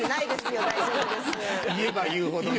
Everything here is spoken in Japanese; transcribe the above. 言えば言うほどね。